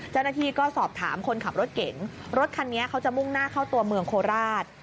เจ้าหน้าที่ก็สอบถามคนขับรถเก่งรถคันนี้เขาจะมุ่งหน้าเข้าตัวเมืองโคราช